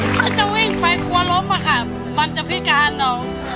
ถ้าจะวิ่งไปกลัวล้มอะค่ะมันจะพิการน้อง